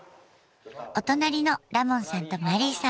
お隣のラモンさんとマリーさん。